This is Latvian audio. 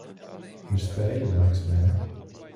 Ir spēļu laiks, vai ne?